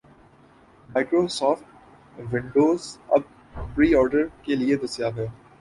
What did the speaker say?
Microsoft Windows اب pre order کے لیے دستیاب ہے